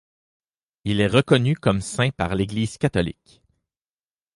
Il est reconnu comme saint par l'Eglise catholique.